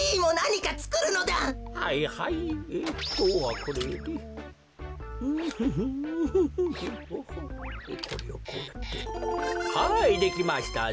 はいできましたぞ。